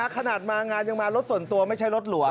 ขนาดมางานยังมารถส่วนตัวไม่ใช่รถหลวง